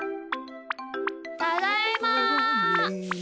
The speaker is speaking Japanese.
ただいま！